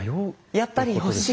やっぱり欲しい。